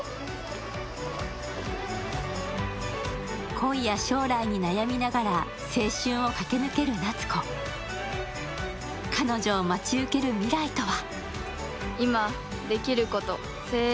恋や将来に悩みながら青春を駆け抜ける夏子彼女を待ち受ける未来とは。